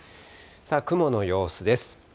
雲の様子です。